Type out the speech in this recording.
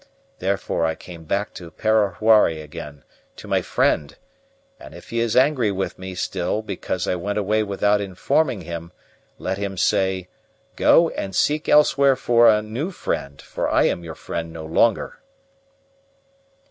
Therefore I came back to Parahuari again, to my friend; and if he is angry with me still because I went away without informing him, let him say: 'Go and seek elsewhere for a new friend, for I am your friend no longer.